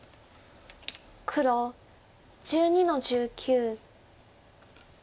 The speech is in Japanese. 黒１２の十九。